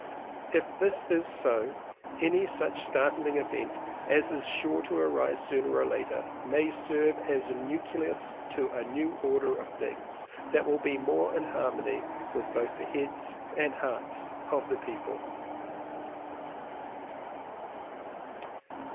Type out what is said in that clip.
If this is so, any such startling event as is sure to arise sooner or later, may serve as nucleus to a new order of things that will be more in harmony with both the heads and hearts of the people.